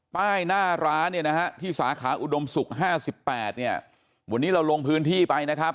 ป้ายหน้าร้านที่สาขาอุดมศุกร์๕๘วันนี้เราลงพื้นที่ไปนะครับ